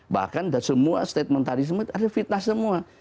bahkan semua statement tadi semua ada fitnah semua